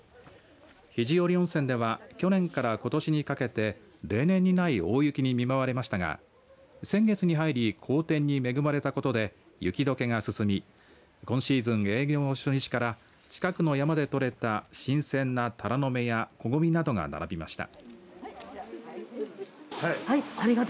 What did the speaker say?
肘折温泉では去年からことしにかけて例年にない大雪に見舞われましたが先月に入り好天に恵まれたことで雪解けが進み今シーズン営業初日から近くの山で採れた新鮮なタラの芽やこごみなどが並びました。